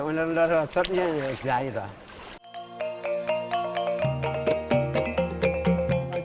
mengendorkan ototnya istilahnya itu